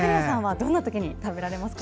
どんな時に食べられますか。